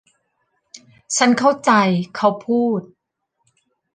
ฉันเข้าใจเขาพูด